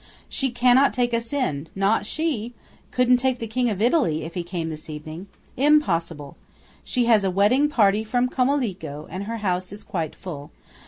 She cannot take us in–not she! Couldn't take in the King of Italy, if he came this evening. Impossible. She has a wedding party from Comelico, and her house is quite full.